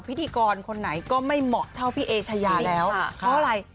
พิธีกรคนไหนก็ไม่เหมาะเท่าพี่เอชายาแล้วเพราะอะไร